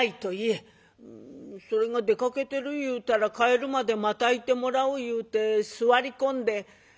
「それが出かけてる言うたら帰るまでまたいてもらう言うて座り込んで」。